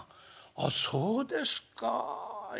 「ああそうですかあ。